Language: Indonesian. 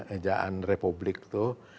ejaan republik itu